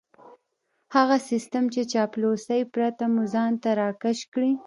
هغه سيستم چې له چاپلوسۍ پرته مو ځان ته راکش کړي.